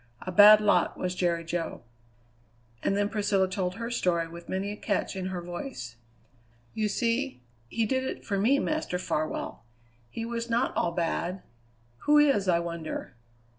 A bad lot was Jerry Jo." And then Priscilla told her story with many a catch in her voice. "You see he did it for me, Master Farwell. He was not all bad. Who is, I wonder?